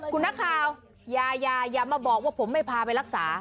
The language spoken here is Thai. คุณนักข่าวยายาอย่ามาบอกว่าผมไม่พาไปรักษา